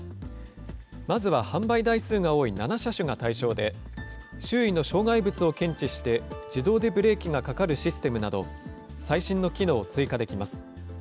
まずは販売台数が多い７車種が対象で、周囲の障害物を検知して、自動でブレーキがかかるシステムなど、最新の機能を追加できます。